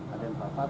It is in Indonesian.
ada yang terpapar